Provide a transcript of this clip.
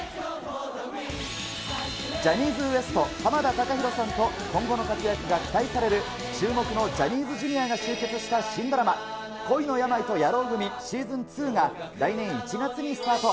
ジャニーズＷＥＳＴ、濱田崇裕さんと、今後の活躍が期待される注目のジャニーズＪｒ．が出演した新ドラマ、恋の病と野郎組シーズン２が、来年１月にスタート。